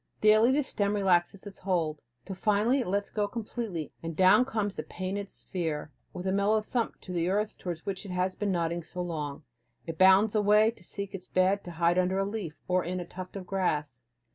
Daily the stem relaxes its hold, till finally it lets go completely, and down comes the painted sphere with a mellow thump to the earth, towards which it has been nodding so long. It bounds away to seek its bed, to hide under a leaf, or in a tuft of grass.